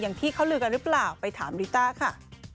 ที่เขาลือกันหรือเปล่าไปถามลิต้าค่ะ